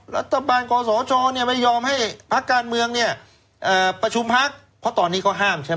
รัฐบาลกศชเนี่ยไม่ยอมให้พักการเมืองเนี่ยประชุมพักเพราะตอนนี้เขาห้ามใช่ไหม